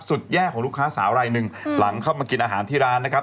สุดแย่ของลูกค้าสาวรายหนึ่งหลังเข้ามากินอาหารที่ร้านนะครับ